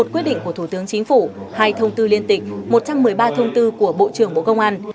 một quyết định của thủ tướng chính phủ hai thông tư liên tịch một trăm một mươi ba thông tư của bộ trưởng bộ công an